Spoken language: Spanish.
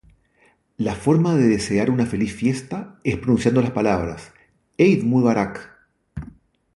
La forma de desear una feliz fiesta es pronunciando las palabras: "¡Eid Mubarak!